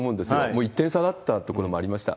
もう１点差だったところもありました。